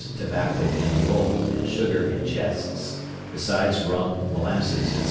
tobacco in roll, and sugar in chests, besides rum, molasses, &c.